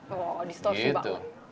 oh distorsi banget